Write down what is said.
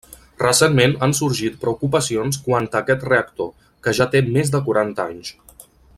Recentment han sorgit preocupacions quant a aquest reactor, que ja té més de quaranta anys.